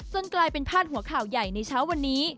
กลายเป็นพาดหัวข่าวใหญ่ในเช้าวันนี้